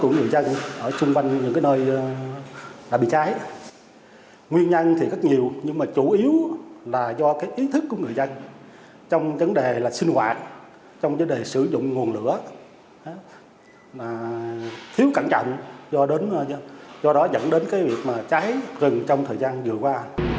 nguyên nhân thì rất nhiều nhưng mà chủ yếu là do cái ý thức của người dân trong vấn đề là sinh hoạt trong vấn đề sử dụng nguồn lửa thiếu cẩn trọng do đó dẫn đến cái việc mà cháy rừng trong thời gian vừa qua